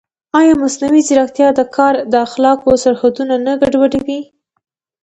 ایا مصنوعي ځیرکتیا د کار د اخلاقو سرحدونه نه ګډوډوي؟